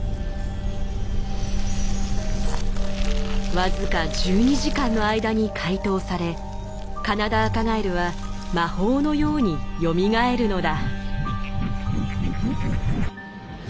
僅か１２時間の間に解凍されカナダアカガエルは魔法のようによみがえるのだ。